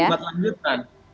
bahkan ada kalimat lanjutan